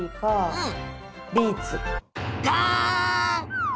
うん！